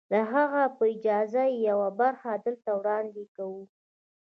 د هغه په اجازه يې يوه برخه دلته وړاندې کوو.